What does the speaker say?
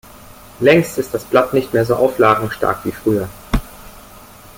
Längst ist das Blatt nicht mehr so auflagenstark wie früher.